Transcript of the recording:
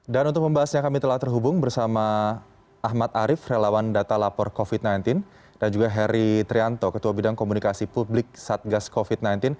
dan untuk pembahasannya kami telah terhubung bersama ahmad arief relawan data lapor covid sembilan belas dan juga heri trianto ketua bidang komunikasi publik satgas covid sembilan belas